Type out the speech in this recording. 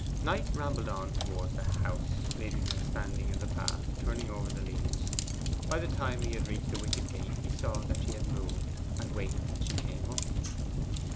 Knight rambled on towards the house, leaving her standing in the path turning over the leaves. By the time he had reached the wicket gate he saw that she had moved, and waited till she came up.